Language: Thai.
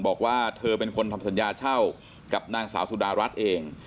บอกว่าเธอเป็นคนทำสัญญาเช่ากับนางสาวสุดารัฐเอง